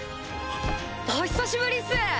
お久しぶりっす！